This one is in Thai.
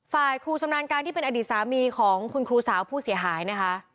ฝ่ายครูชำนาญการที่เป็นอดีตสามีของคุณครูสาวผู้เสียหายนะคะ